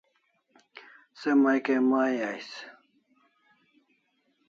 Se mai Kai mai ais